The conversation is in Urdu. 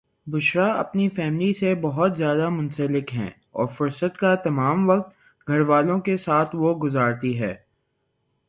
بشریٰ اپنی فیملی سے بوہت زیاد منسلک ہیں اور فرست کا تمم وقت گھر والوں کے ساتھ وہ گجراتی ہیں